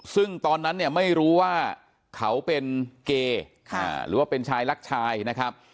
ซึ่งตอนนั้นเนี่ยไม่รู้ว่าเขาเป็นเกย์หรือว่าเป็นชายรักชายนะครับ